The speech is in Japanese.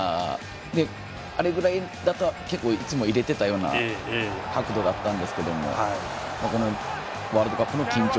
あれぐらいだといつも入れていたような角度だったんですがこれがワールドカップの緊張。